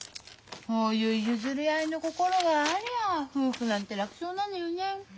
そういう譲り合いの心がありゃ夫婦なんて楽勝なのよね。